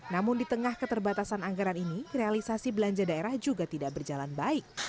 namun di tengah keterbatasan anggaran ini realisasi belanja daerah juga tidak berjalan baik